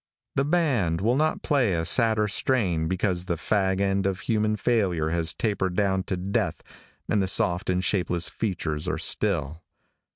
The band will not play a sadder strain because the fag end of a human failure has tapered down to death, and the soft and shapeless features are still.